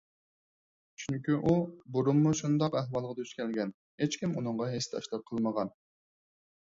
چۈنكى ئۇ بۇرۇنمۇ شۇنداق ئەھۋالغا دۇچ كەلگەن، ھېچكىم ئۇنىڭغا ھېسداشلىق قىلمىغان.